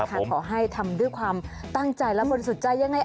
ขอให้ทำด้วยความตั้งใจและบริสุทธิ์ใจยังไง